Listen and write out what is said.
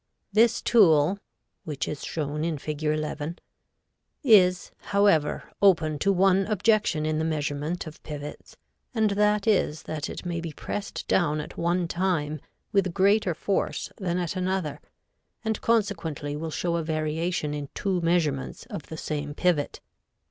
This tool, which is shown in Fig. 11, is, however, open to one objection in the measurement of pivots, and that is that it may be pressed down at one time with greater force than at another, and consequently will show a variation in two measurements of the same pivot.